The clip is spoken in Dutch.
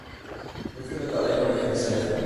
Dat wil ik alleen maar even zeggen.